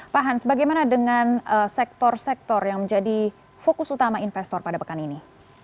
pak hans bagaimana dengan sektor sektor yang menjadi fokus utama investor pada pekan ini